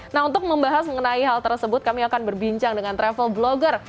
nah untuk membahas mengenai hal tersebut kami akan berbincang dengan travel blogger